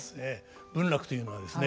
文楽というのはですね